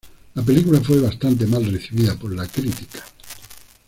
La película fue bastante mal recibida por la crítica.